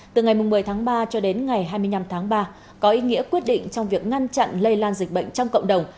từ ngày một mươi tháng ba cho đến ngày hai mươi năm tháng ba có ý nghĩa quyết định trong việc ngăn chặn lây lan dịch bệnh trong cộng đồng